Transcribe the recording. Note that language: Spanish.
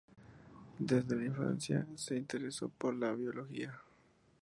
Desde la infancia, se interesó por la biología.